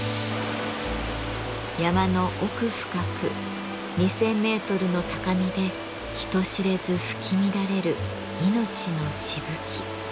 山の奥深く２，０００メートルの高みで人知れず吹き乱れる命のしぶき。